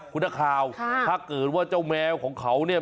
คุณนักข่าวถ้าเกิดว่าเจ้าแมวของเขาเนี่ย